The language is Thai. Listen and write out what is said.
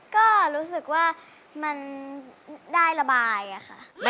ก็รู้สึกว่ามันได้ระบายค่ะ